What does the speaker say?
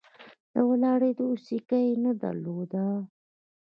د ولاړېدو سېکه یې نه درلوده.